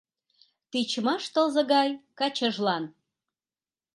Тичмаш тылзе гай качыжлан